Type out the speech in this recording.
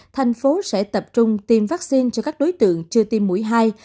thành phố sẽ tập trung tiêm vaccine cho các đối tượng chưa tiêm mũi hai